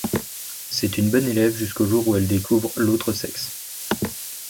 C'est une bonne élève jusqu'au jour où elle découvre l'autre sexe.